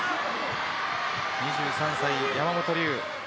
２３歳、山本龍